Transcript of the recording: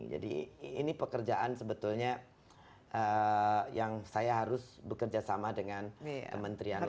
jadi ini pekerjaan sebetulnya yang saya harus bekerja sama dengan menterian lain